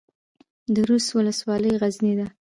د ورس ولسوالۍ غرنۍ ده